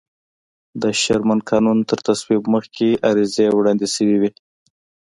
د شرمن قانون تر تصویب مخکې عریضې وړاندې شوې وې.